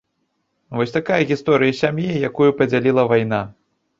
Вось такая гісторыя сям'і, якую падзяліла вайна.